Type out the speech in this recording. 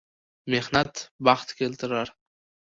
Mehnat baxt keltirar.